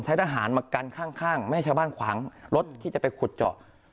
ทหารมากันข้างไม่ให้ชาวบ้านขวางรถที่จะไปขุดเจาะ